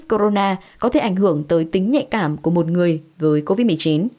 corona có thể ảnh hưởng tới tính nhạy cảm của một người với covid một mươi chín